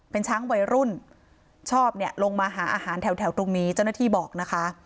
เป็นช้างวัยรุ่นชอบเนี่ยลงมาหาอาหารแถวตรงนี้เจ้าหน้าที่บอกนะคะ